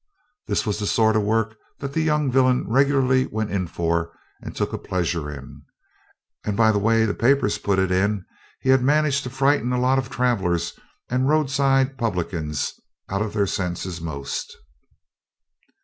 This was the sort of work that the young villain regularly went in for and took a pleasure in, and by the way the papers put it in he had managed to frighten a lot of travellers and roadside publicans out of their senses most.